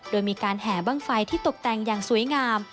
โดยมีการแห่บ้างไฟที่ตกแต่งอย่างสวยงาม